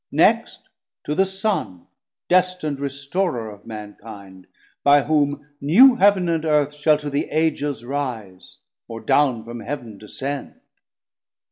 Next, to the Son, Destin'd restorer of Mankind, by whom New Heav'n and Earth shall to the Ages rise, Or down from Heav'n descend.